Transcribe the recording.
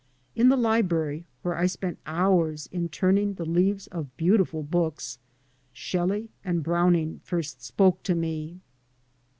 In the library, where I spent hours in turning the leaves of beautiful books, Shelley and Brown ing first spoke to me.